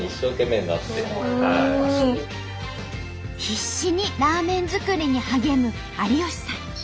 必死にラーメン作りに励む有吉さん。